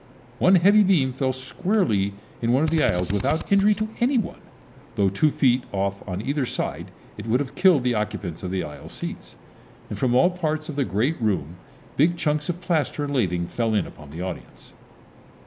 One heavy beam fell squarely in one of the aisles without injury to any one, though two feet off on either side it would have killed the occupants of the aisle seats, and from all parts of the great room big chunks of plaster and lathing fell in upon the audience.